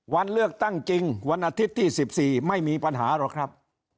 วันเลือกตั้งจริงวันอาทิตย์ที่๑๔ไม่มีปัญหาหรอกครับ